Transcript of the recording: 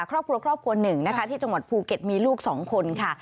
ครอบครัวครอบครัวหนึ่งนะคะที่จังหวัดภูเก็ตมีลูก๒คนค่ะ